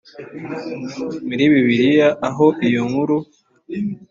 muri bibiliya aho iyo nkuru